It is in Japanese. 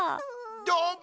どーも！